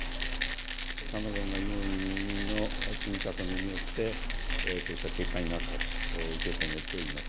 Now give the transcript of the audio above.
さまざまな要因の積み重ねによって、こうした結果になったと受け止めています。